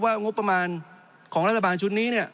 จริงโครงการนี้มันเป็นภาพสะท้อนของรัฐบาลชุดนี้ได้เลยนะครับ